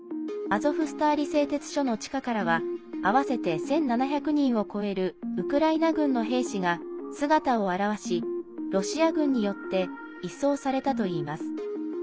アゾフスターリ製鉄所の地下からは合わせて１７００人を超えるウクライナ軍の兵士が姿を現しロシア軍によって移送されたといいます。